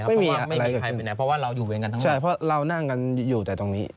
ไม่มีใครไปไหนเพราะว่าเราอยู่เวรกันทั้งนั้นใช่เพราะเรานั่งกันอยู่แต่ตรงนี้